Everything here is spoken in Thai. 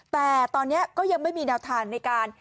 แต่ตอนนี้ก็ยังไม่มีแนวทางในการ